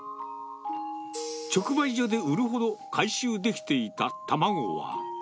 直売所で売るほど回収できていた卵は。